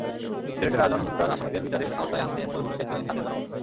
সিলেটে রাজন হত্যার আসামিদের বিচারের আওতায় আনতে মূল ভূমিকায় ছিলেন স্থানীয় জনগণ।